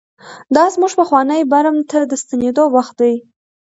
دا زموږ پخواني برم ته د ستنېدو وخت دی.